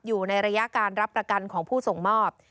อยู่ในระยะการรับประกันของผู้ส่งมอบ